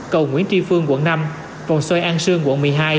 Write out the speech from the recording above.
cầu nguyễn tri phương quận năm vòng xoay an sương quận một mươi hai